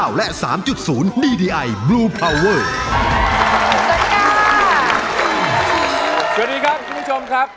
สวัสดีครับคุณผู้ชมครับ